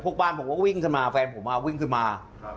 บ้านผมก็วิ่งขึ้นมาแฟนผมวิ่งขึ้นมา